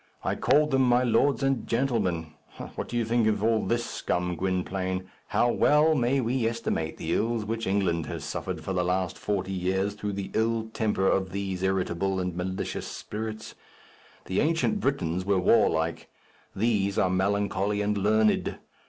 I called them my lords and gentlemen. What do you think of all this scum, Gwynplaine? How well may we estimate the ills which England has suffered for the last forty years through the ill temper of these irritable and malicious spirits! The ancient Britons were warlike; these are melancholy and learned.